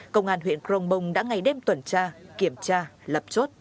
công an huyện crong bông đã ngày đêm tuần tra kiểm tra lập chốt